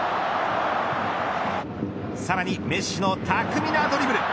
さらにメッシの巧みなドリブル。